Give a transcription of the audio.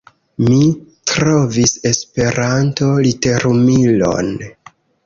Mi trovis Esperanto literumilon.